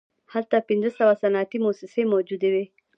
هلته پنځه سوه صنعتي موسسې موجودې وې